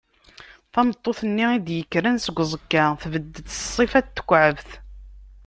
Tameṭṭut-nni i d-yekkren seg uẓekka, tbedd-d s ṣṣifa n tekɛebt.